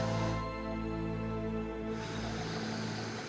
jangan berbincang dengan dunia